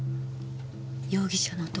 容疑者の男